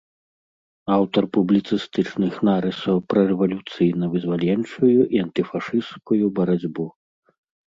Аўтар публіцыстычных нарысаў пра рэвалюцыйна-вызваленчую і антыфашысцкую барацьбу.